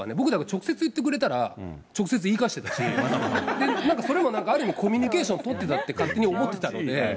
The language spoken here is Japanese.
直接言ってくれたら、直接言い返してたし、なんかそれもある意味コミュニケーション取ってたって勝手に思ってたので。